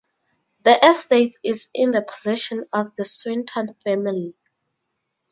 The estate is in the possession of the Swinton Family.